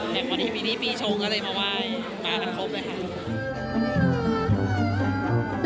แต่วันนี้ปีชงก็เลยมาไหว้มาทั้งครบเลยค่ะ